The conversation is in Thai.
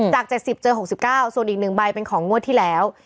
๗๐เจอ๖๙ส่วนอีก๑ใบเป็นของงวดที่แล้ว